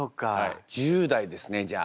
１０代ですねじゃあ。